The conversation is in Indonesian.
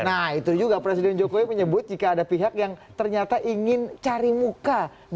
nah itu juga presiden jokowi menyebut jika ada pihak yang ternyata ingin cari muka dibalik wacara amandemen konstitusi